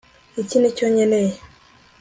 iki nicyo nkeneye